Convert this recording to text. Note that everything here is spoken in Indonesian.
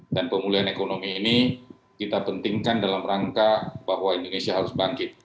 dan pemulihan ekonomi ini kita pentingkan dalam rangka bahwa indonesia harus bangkit